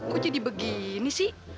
kok jadi begini sih